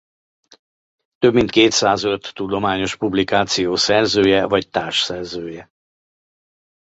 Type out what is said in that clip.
Több mint kétszázöt tudományos publikáció szerzője vagy társszerzője.